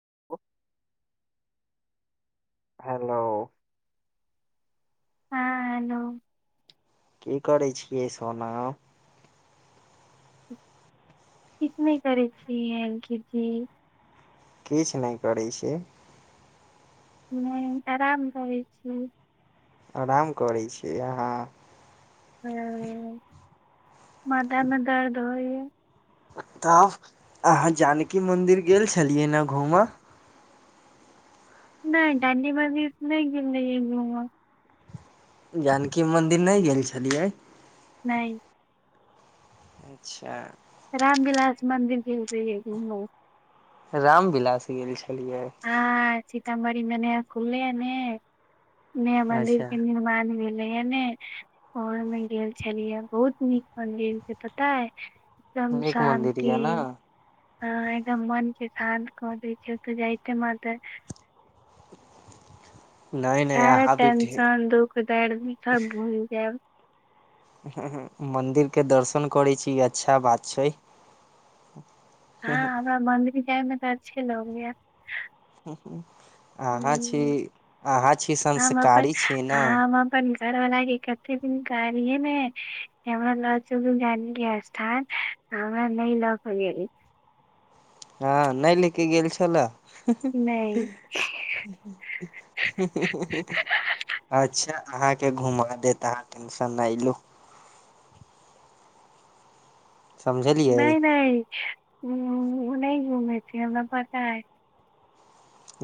[inaudible] [unintelligible] hello हँ hello की करै छियै सोना किछु नहि करै छीयै अंकित जी किछु नहि करै छै नहि आराम रहै छियै आराम करै छियै अहाँ ह माथा मे दर्द होइए तऽब अहाँ जानकी मन्दिर गेल छलियै ने घूमऽ नहि डांडी म नहि गेल रहि यै घुम जानकी मन्दिर नहि गेल छलियै नहि अच्छा रामविलास मन्दिर भिरतै घूमय रामविलास गेल छलियै क म न खुलिया ने नया मन्दिर अच्छा के निर्माण भेल ने भोर मे गेल छलियै बहुत नीक मंदिर छैय से पता ह एकदम नीक मन्दिर शान्ति यऽ ने ह एकदम मन के शान्त कर दै छै तऽ जाइते मातर नहि नहि सारा अहाँ भी टेंशन दुःख दर्द भी सब भूल जायब ह ह मन्दिर के दर्शन करै छी अच्छा बात छै हँ हमरा मन्दिर जायमे तऽ अच्छे लगैय अहाँ छी अहाँ छी संस्कारी छी ने घर वाला के कते दिन कहलिए य ने कि हमरा ल चलू गांधी स्थान आ नई लक गेली हँ नहि लेके गेल छलए ही ही नहि ही हि अच्छा अहाँके घुमा दे त अहाँ टेंशन नहि लू समझलियै नहि नहि ऊ नहि घूमेथीन हमरा पता ए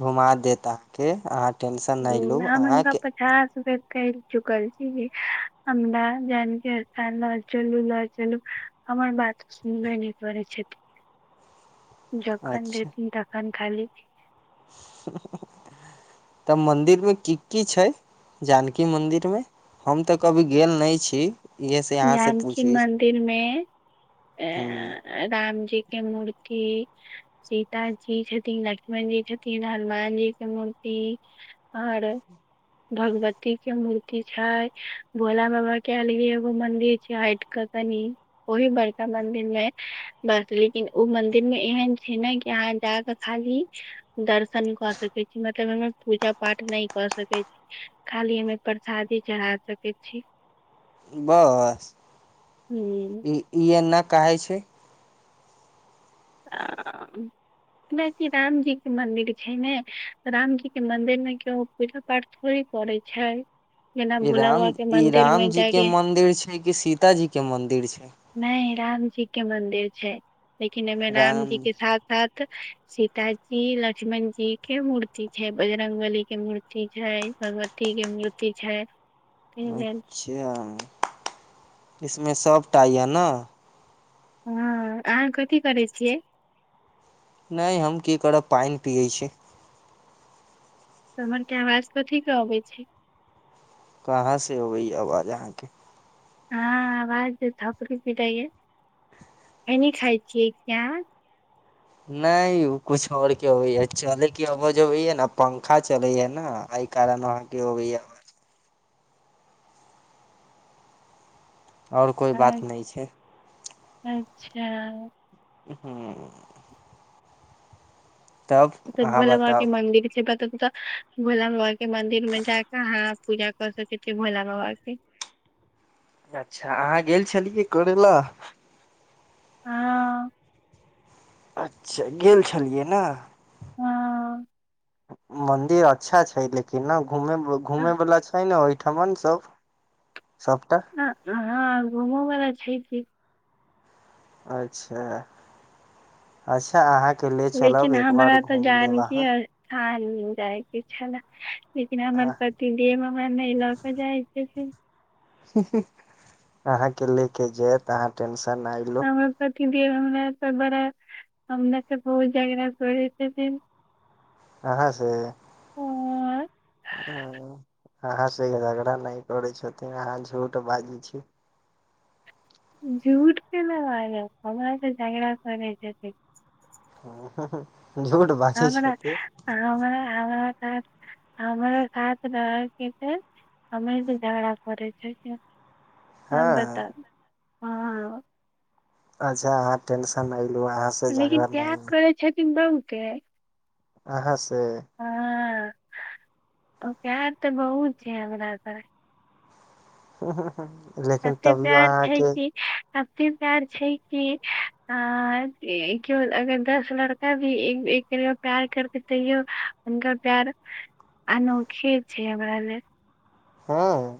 घुमा देत के अहाँके अहाँ टेंशन नहि लू ह आ अहाँके पाप प छास रपै कहि चुकल छी जे हमरा जानकी स्थान लऽ चलु लऽ चलु हमर बात सुनबे नई करय करै छै गुना मुना पचास बेर जखन देखथिन तन खाली तऽ मन्दिर मे की की छै जानकी मन्दिरमे हम तऽ कभी गेल नहि छी इहेसँ अहाँसँ जानकी पूछै मन्दिर मे हूँ अ रामजी के मूर्ति सीता जी छथिन लक्ष्मन जी छथिन हनुमान जी के मूर्ति जी आर भगवती के मूर्ति छै भोला बाबा केल मंदिर छै हट के कनि ओहि बड़का मंदिर मे बस लेकिन ओ मंदिर एहन छै ने कि अहाँ जाक खाली दर्शन क सकै छी मतलब पूजा पा पाठ नहि क सकैत छी खाली हमे प्रसादी चढ़ा सकै छी बस हूँ ई ई एना कहे छै आ- आ जेनाकि रामजी के मंन्दिर छै ने रामजी के मंदिर मे केउ पूजा पाठ थोड़ी करय छै जेना ई भोला राम बाबा के ई मंदिर मे रामजीके जायके मन्दिर छै कि सीताजीके मन्दिर छै नहि रामजी के मंदिर छै लेकिन एहिमे राम रामजी के साथ साथ सीता जी लक्ष्मण जी के मूर्ति छै बजरंग बली के मूर्ति छै भगवती मुर्ति छै ताहि लेल अच्छा इसमे सबटा य न हाँ अहाँ कथी करै छियै नहि हम की करब पाइन पियै छी तऽ हमर कैमरा सेत ठीक अबै छी कहाँ से होबै आवाज अहाँके हाँ आवाज से थपरी पीटाईये खैनी खाइ छी नहि उ कुछ आर के होबै है चलेके आवज होबै है न पंखा चलै है न एहि कारण अहाँके होवयै ह आओर कोइ अहाँ बात नहि छै अच्छा हू त अहाँ भोला बाबा बताउ के मन्दिर जेका त तऽ भोला बाबा के मंन्दिर मे जाकऽ अहाँ पूजा कऽ सकै छी भोला बाबा के अच्छा अहाँ गेल छलियै करय लए हाँ अच्छा गेल छलियै ने हाँ मंदिर अच्छा छै लेकिन ने घू घूमे वला छै ने ओहि ठमन सब सबटा हाँ घूमो वला छै कि अच्छा अच्छा अहाँ ले चलब लेकिन एक बार हमरा तऽ घूम लेब जानकी स्थान ह जाइके छले लेकिन हमर पति देव हमरा नहि लऽ के जाइ छथिन अहाँके ले कऽ जायत अहाँ टेंशन नाय लू हमर हमरा त बड़ा हमरा से बहुत झगड़ा करै छथिन आहाॅं से और ह अहाँ से झगड़ा नहि करै छथिन अहाँ झूठ बाजै छी झूठ के नहि बाज हमरा तऽ झगड़ा करै छथिन ह हमरा हमरा हमरा हमरा साथ रहैके छै हमरे से भी झगड़ा करै छथिन ह हँ बताउ हँ अच्छा अहाँ टेंशन नहि लू अहाँ से लेकिन झगड़ प्यार नहि [unintelligible] आहाॅं से औकात तऽ बहुत छै हमरा पास लेकिन तभियो अहाँके कफी प्यार छै कि के अगर दस लड़का भी एक एक प्यार करके तैयो अनका प्यार आनोखे छै हमरा ले हाँ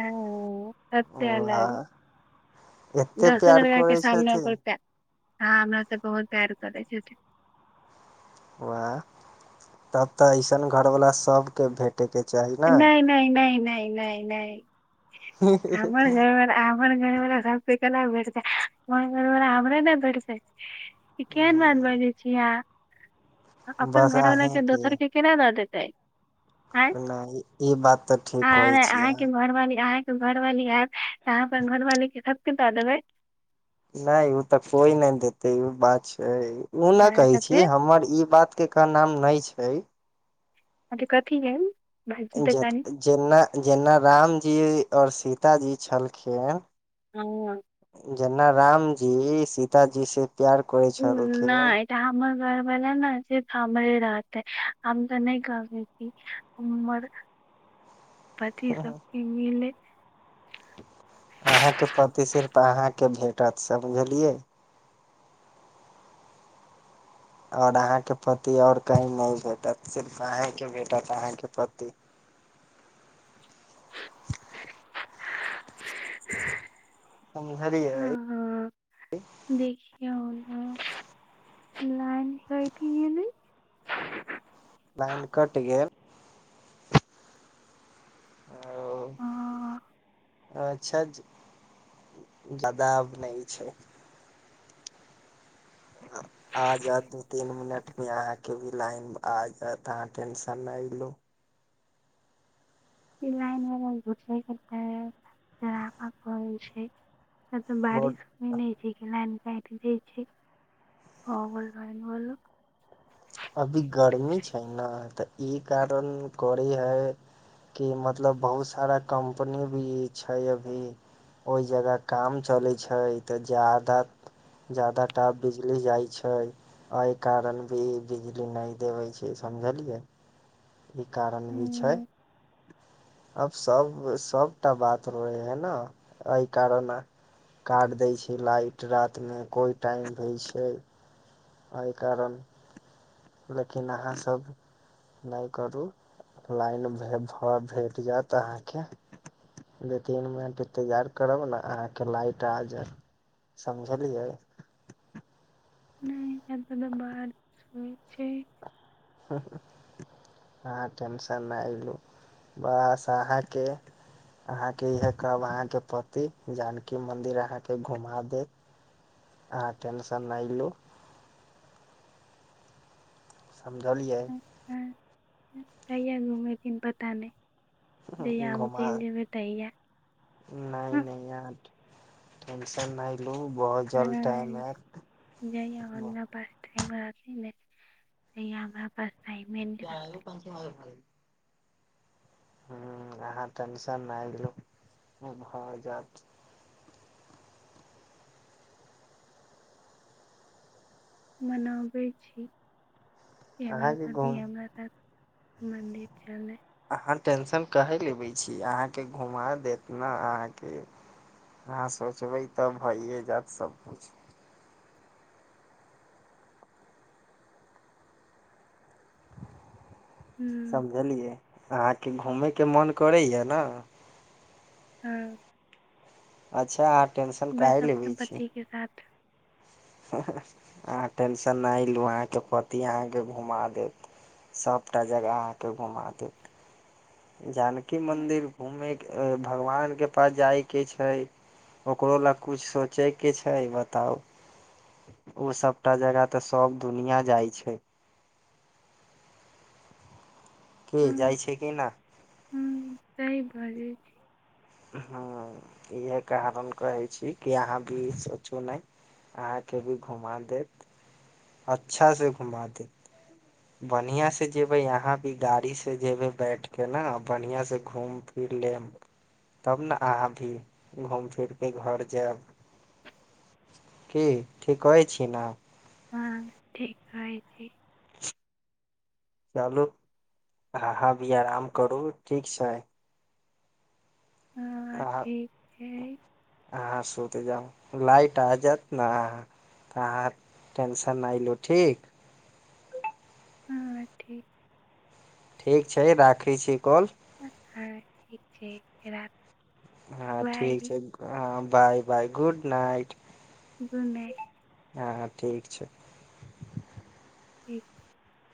ह सबसे अलग एते दसो प्यार लड़का के करै सामने छथिन ओकर हाँ हमरा त बहुत प्यार करै छथिन वएह तब तऽ ऐसन घर वाला सबके भेट नहि नहि नहि नहि नहि नहि हमर घरवाला बला सबै के केना भेटतै हमर घरबला हमरे ने भेटतै ई केहन बात बजै छी आहाँ अपन बस घरवाला के अहेंके दोसर के केना दऽ देतै आँय नहि ई बात तऽ ठीक आर कहै आहाॅं छियै के घरवाली आहाॅं घरवाली आयत तऽ अहाँ अपन घरवाली के सब के द देबै नहि ओ तऽ कोइ नहि देते ई बात छै उ ने अँ, कहे तऽ छी फेर हमर ई बात के क नाम नहि छै कथी भेल जे जेना जेना रामजी ओर सीताजी छलखिन हँ जेना रामजी सीताजी से प्यार करै छलखिन घर वाला ने से हमरे रहतेै हम तऽ नहि कहबे क उर [inaudible] [unintelligible] पति सबके मिलै अहाँके पति सिर्फ अहाँके भेटत समझलियै आओर अहाँके पति आओर कही नहि भेटत सिर्फ अहींके भेटत अहाँके पति [inaudible] [unintelligible] [unintelligible] हाँ समझलियै हाँ देखियौ ह लाइन कटि गैलै लाइन कट गेल ओ आ अच्छा जादा नहि छै [unintelligible] आ जायत दू तीन मिनट मे अहाँके भी लाइन आ जायत अहाँ टेंशन नहि लु लाइन मे झूल कर ज हो छै नहि तऽ बहुत बारिश की नहि छै क [unintelligible] अभी गर्मी छै ने तऽ ई कारण करै है कि मतलब बहुत सारा कम्पनी भी छै अभी ओहि जगह काम चलैत छै तऽ जादा जादा टा बिजली जाय छै एहि कारण भी बिजली नहि देबै छै समझलियै ई कारण भी छै हूँ अब सब सबटा बात रहै है ने एहि कारना काट दै छै लाइट रातमे कोई टाइम दइ छै एहि कारण लेकिन अहाँ सब नहि करू लाइन भ भ भेट जायत अहाँके दू तीन मिनट इन्तजार करब ने अहाँके लाइट आ जायत समझलियै नहि एतऽ त बाहाद सुनै छै ह आहाॅं टेंशन नहि लू बस आहाॅंके अहाँके इह कहब अहाँके पति जानकी मंन्दिर अहाँके घुमा देत आ टेन्शन नय लू समझलियै ह कहियआ घुमेथिन पता नहि जहिया हम घुमा चलि जेबै तहिया नहि हँ नहि यार टेन्सन नहि लि हुं बहुत जल्द टाइम आयत जहिया हुनका पास हमरा पास टाइमे नहि रहतै [unintelligible] ह अहाँ टेंशन नहि लू भ जात हँ मनाबै छी कि हमरा अहाँके पति घूम हमरा साथ मन्दि चले अहाँ टेंशन काहे लेबै छी अहाँके घुमा देत ने अहाँके अहां सोचबै तब भइए जाएत सबकिछु हुँ समझलियै अहाँके घूमयके मोन करैए न हँ अच्छा अहाँ टेंशन काहे बस लेबै अपना छी पतिके साथ अहाँ टेंशन नहि लू अहाँके पति अहाँकेँ घुमा देत सभटा जगह अहाँकेँ घुमा देत जानकी हुँ मन्दिर घूमे के भगवान के पास जायके छै ओकरो लए कुछु सोचैके छै बताउ ओ सभटा जगह तऽ सभ दुनिया जाइ छै कि जाइ छै कि न हुँ सही बजै छी ह इह कारण कहै छी कि अहाँ भी सोचू नहि अहाँके भी घुमा देत अच्छा से घुमा देत बढ़ियां से जेबय अहााँ भी गाड़ी से जेबे बैठ के ने बढ़ियां से घूम फिर फिर लेब तब ने अहां भी घूम फिर के घर जायब की ठी कहै छी न हँ ठीक कहय छी चलू अहाँ भी आराम करू ठीक छै हँ आहां ठीक छै आहा सुत जाउ लाइट आ जात ना आहां टेंशन नहि लू ठीक हँ ठीक ठीक छै राखै छी कॉल हँ ठीक छै फेर राखू हँ ठीक बाइ छै हँ bye bye good night good night हँ हं ठीक छै [unintelligible]